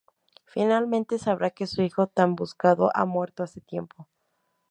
Finalmente sabrá que su hijo tan buscado ha muerto hace tiempo.